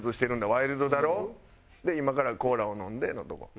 ワイルドだろぉ？」で「今からコーラを飲んで」のとこ。